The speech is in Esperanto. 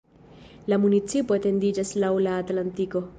La municipo etendiĝas laŭ la Atlantiko.